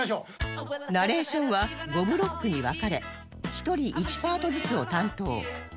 ナレーションは５ブロックに分かれ１人１パートずつを担当